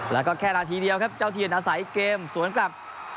แล้วก็แค่นาทีเดียวครับเจ้าเทียนอาศัยเกมสวนกลับ